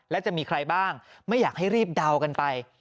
และจะมีใครบ้างไม่อยากให้รีบเดากันไป